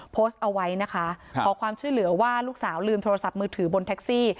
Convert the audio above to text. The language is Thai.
โพสต์เอาไว้นะคะขอความช่วยเหลือว่าลูกสาวลืมโทรศัพท์มือถือบนแท็กซี่